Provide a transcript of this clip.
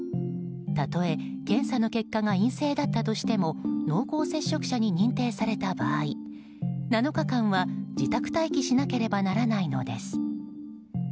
たとえ検査の結果が陰性だったとしても濃厚接触者に認定された場合７日間は自宅待機しなければならないのです。